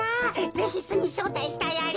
ぜひすにしょうたいしたいアリ。